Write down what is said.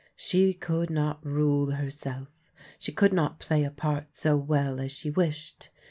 She could not rule herself — she could not play a part so well as she wished.